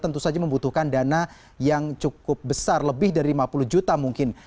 tentu saja membutuhkan dana yang cukup besar lebih dari lima puluh juta mungkin